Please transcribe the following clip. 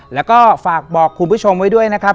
แล้วก็ฝากบอกคุณผู้ชมไว้ด้วยนะครับ